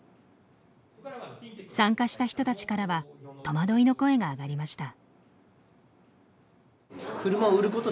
参加した人たちからは戸惑いの声が上がりました。